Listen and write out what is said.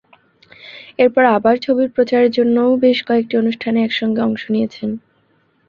এরপর আবার ছবির প্রচারের জন্যও বেশ কয়েকটি অনুষ্ঠানে একসঙ্গে অংশ নিয়েছেন।